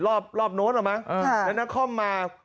รอบโน้นเหรอมั้งแล้วนครมา